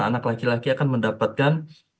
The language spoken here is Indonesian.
anak laki laki akan mendapatkan